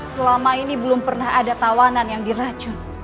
selama ini belum pernah ada tawanan yang diracun